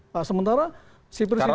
nah sementara sipir sipir